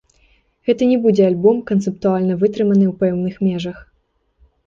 Гэта не будзе альбом канцэптуальна вытрыманы ў пэўных межах.